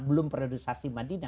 belum periodisasi madinah